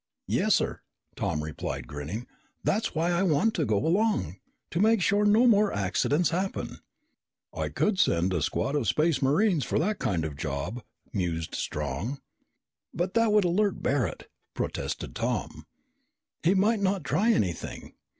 "Yes, sir," Tom replied, grinning. "That's why I want to go along. To make sure no more accidents happen." "I could send a squad of Space Marines for that kind of job," mused Strong. "But that would alert Barret," protested Tom. "He might not try anything.